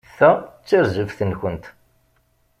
Ta d tarzeft-nkent.